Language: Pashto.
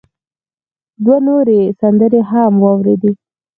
دوه نورې سندرې يې هم واورېدې.